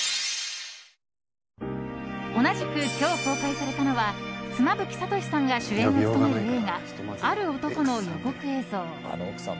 同じく今日、公開されたのは妻夫木聡さんが主演を務める映画「ある男」の予告映像。